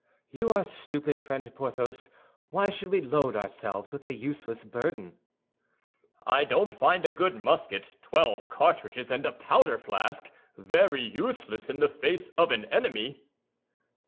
"You are stupid, friend Porthos. Why should we load ourselves with a useless burden?" "I don't find a good musket, twelve cartridges, and a powder flask very useless in the face of an enemy."